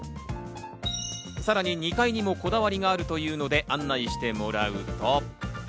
さらに２階にもこだわりがあるというので、案内してもらうと。